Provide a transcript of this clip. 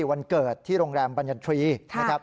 วันเกิดที่โรงแรมบอัญญัตรี